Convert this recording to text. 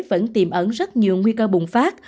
vẫn tiềm ẩn rất nhiều nguy cơ bùng phát